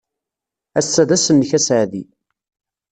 Ass-a d ass-nnek aseɛdi.